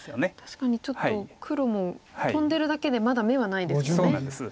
確かにちょっと黒もトンでるだけでまだ眼はないですもんね。